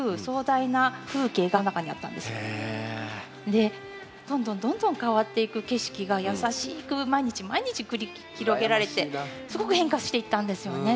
でどんどんどんどん変わっていく景色が優しく毎日毎日繰り広げられてすごく変化していったんですよね。